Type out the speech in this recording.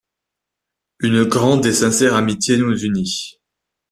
Une grande et sincère amitié nous unit.